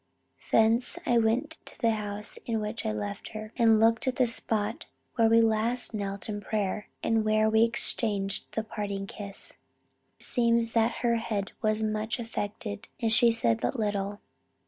Thence I went to the house in which I left her; and looked at the spot where last we knelt in prayer, and where we exchanged the parting kiss.... "It seems that her head was much affected and she said but little.